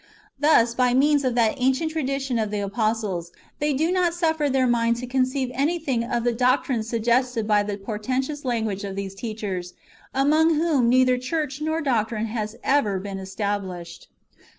Thus, by means of that ancient tradi tion of the apostles, they do not suffer their mind to conceive anything of the [doctrines suggested by the] portentous language of these teachers, among whom neither church nor doctrine has ever been established.